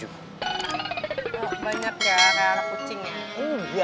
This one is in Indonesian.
oh banyak ya kayak anak kucing ya